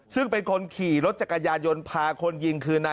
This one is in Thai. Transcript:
ซึ่งเป็นคนขี่รถจักรยานยนต์พาคนยิงคือนาย